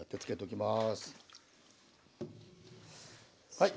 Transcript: はい。